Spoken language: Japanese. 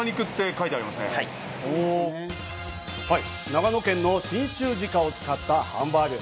長野県の信州鹿を使ったハンバーグ。